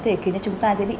kem chỉ có tác dụng giải nhiệt